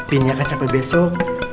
pinnya akan sampai besok